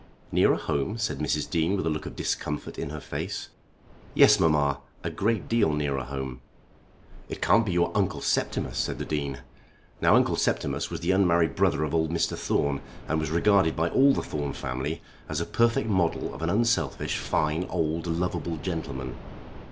"Nearer home?" said Mrs. Dean with a look of discomfort in her face. "Yes, mamma. A great deal nearer home." "It can't be your Uncle Septimus," said the Dean. Now Uncle Septimus was the unmarried brother of old Mr. Thorne, and was regarded by all the Thorne family as a perfect model of an unselfish, fine old lovable gentleman.